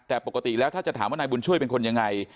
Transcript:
แต่ปกติแล้วถ้าจะถามว่านายบุญช่วยเป็นคนยังไง